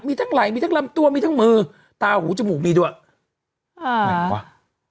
มีทั้งไหลมีทั้งลำตัวมีทั้งมือตาหูจมูกมีด้วยอ่าไหนวะ